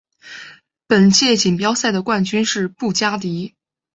本届锦标赛的冠军是布加迪。